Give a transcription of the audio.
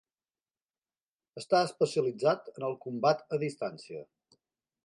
Està especialitzat en el combat a distància.